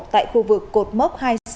tại khu vực cột mốc hai